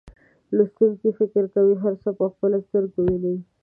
لوستونکي فکر کوي هر څه په خپلو سترګو ویني.